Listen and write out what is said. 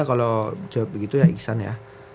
kalau jawab begitu ya iksan ya